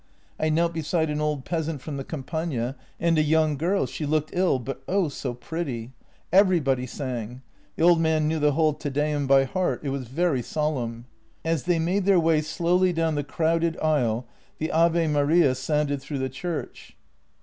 I knelt beside an old peasant from the Campagna and a young girl; she looked ill — but oh, so pretty! Every body sang; the old man knew the whole Te Deum by heart. It was very solemn." As they made their way slowly down the crowded aisle, the Ave Maria sounded through the church.